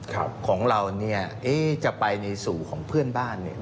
ของเราเนี่ยเอ๊ะจะไปในสู่ของเพื่อนบ้านเนี่ย